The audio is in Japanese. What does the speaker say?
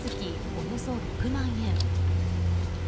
およそ６万円。